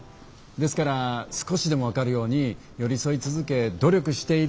ですから少しでも分かるように寄り添い続け努力している。